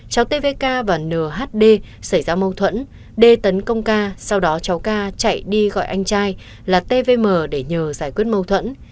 cháu tvk và nhd xảy ra mâu thuẫn d tấn công k sau đó cháu k chạy đi gọi anh trai là tvm để nhờ giải quyết mâu thuẫn